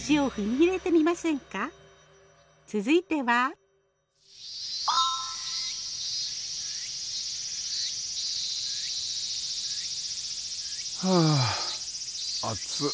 続いては。はあ暑っ。